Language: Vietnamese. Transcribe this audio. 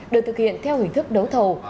được thực hiện theo hình thức đấu thầu